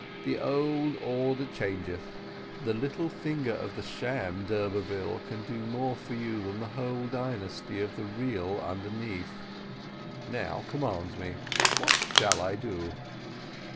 The old order changeth. The little finger of the sham d'Urberville can do more for you than the whole dynasty of the real underneath.... Now command me. What shall I do?"